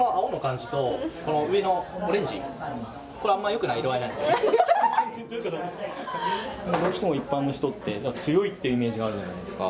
はいアハハハどうしても一般の人って「強い」ってイメージがあるじゃないですか